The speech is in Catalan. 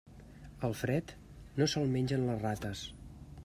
El fred, no se'l mengen les rates.